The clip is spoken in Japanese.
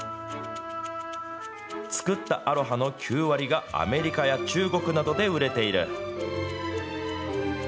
作ったアロハの９割がアメリカや中国などで売れている。